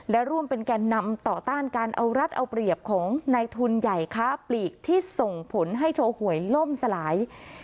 และร่วมเป็นแก่นำต่อต้านการเอารัฐเอาเปรียบของในทุนใหญ่ค้าปลีกที่ส่งผลให้โชว์หวยล่มสลาย